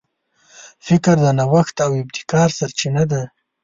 فکر د نوښت او ابتکار سرچینه ده.